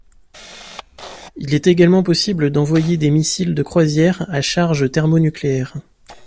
Il est également possible d'envoyer des missiles de croisière à charge thermonucléaire.